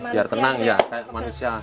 biar tenang ya kayak manusia